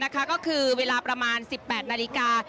ก็คือเวลาประมาณ๑๘นาฬิกา